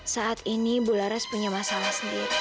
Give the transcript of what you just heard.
saat ini bu laras punya masalah sendiri